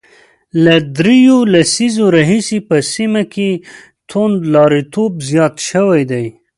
له درېو لسیزو راهیسې په سیمه کې توندلاریتوب زیات شوی دی